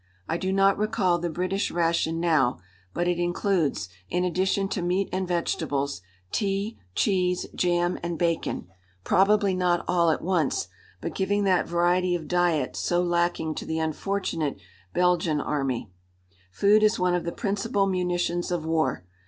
I do not recall the British ration now, but it includes, in addition to meat and vegetables, tea, cheese, jam and bacon probably not all at once, but giving that variety of diet so lacking to the unfortunate Belgian Army. Food is one of the principal munitions of war.